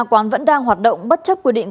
quán vẫn đang hoạt động bất chấp quy định